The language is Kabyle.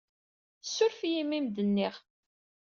Ssuref-iyi imi ay am-d-nniɣ.